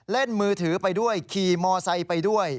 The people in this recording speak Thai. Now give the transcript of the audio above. มือถือไปด้วยขี่มอไซค์ไปด้วย